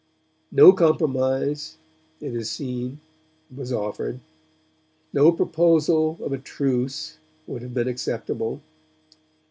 No compromise, it is seen, was offered; no proposal of a truce would have been acceptable.